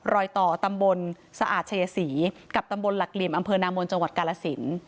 รอยต่อตำบลสะอาดชัยศรีกับตำบลหลักเหลี่ยมอำเภอนามนจังหวัดกาลสิน